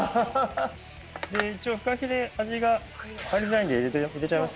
一応フカヒレ味が入りづらいんで入れちゃいますね